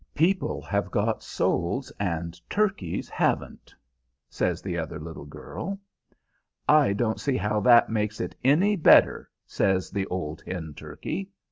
"People have got souls, and turkeys haven't," says the other little girl. "I don't see how that makes it any better," says the old hen turkey.